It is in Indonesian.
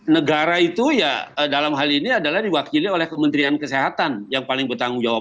negara itu ya dalam hal ini adalah diwakili oleh kementerian kesehatan yang paling bertanggung jawab